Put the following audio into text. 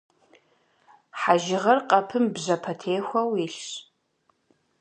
Хьэжыгъэр къэпым бжьэпэтехуэу илъщ.